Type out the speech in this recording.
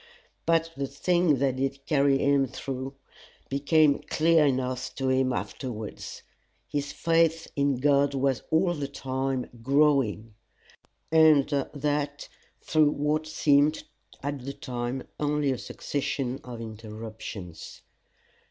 But the thing that did carry him through became plain enough to him afterwards: his faith in God was all the time growing and that through what seemed at the time only a succession of interruptions.